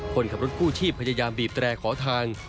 คนขับรถกู้ชีพพยายามบีบแตรขอทาง